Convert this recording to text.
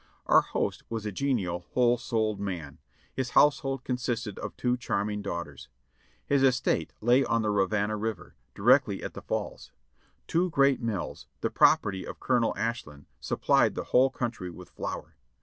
Our host was a genial, whole souled man; his household con sisted of two charming daughters. His estate lay on the Rivanna River, directly at the Falls. Two great mills, the property of Colonel Ashlin, supplied the whole country with flour.